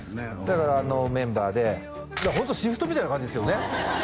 だからメンバーでホントシフトみたいな感じですよね